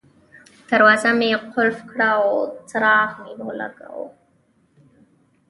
دروازه مې قلف کړه او څراغ مې ولګاوه.